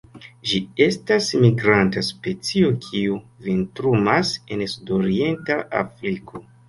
Ĝi estas migranta specio, kiu vintrumas en sudorienta Afriko.